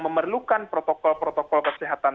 memerlukan protokol protokol kesehatan